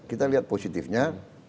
kita lihat positifnya